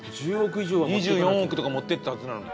２４億とか持ってったはずなのに。